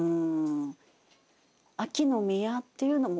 秋の宮っていうのも。